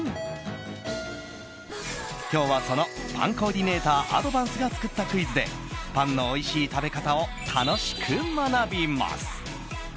今日はそのパンコーディネーターアドバンスが作ったクイズでパンのおいしい食べ方を楽しく学びます。